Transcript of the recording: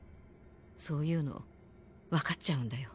そういうのわかっちゃうんだよ。